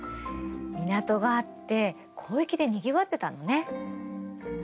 港があって交易でにぎわってたのね。